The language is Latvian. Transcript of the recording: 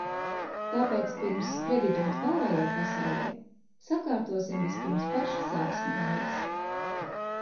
Tāpēc, pirms sprediķot pārējai pasaulei, sakārtosim vispirms paši savas mājas.